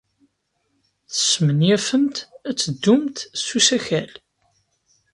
Tesmenyafemt ad teddumt s usakal?